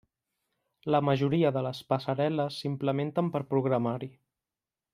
La majoria de les passarel·les s'implementen per programari.